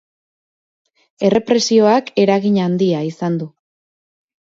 Errepresioak eragin handia izan du.